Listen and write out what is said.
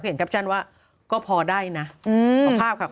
ก็เห็นแคร็พชั่นว่าก็พอได้นะขอภาพค่ะขอภาพ